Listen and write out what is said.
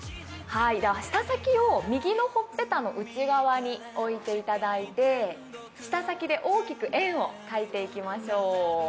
舌先を右のほっぺたの内側に置いていただいて、舌先で大きく円を描いていきましょう。